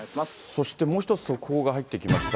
そしてもう一つ、速報が入ってきました。